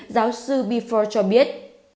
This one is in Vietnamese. giáo sư beffo cho biết